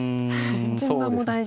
順番も大事と。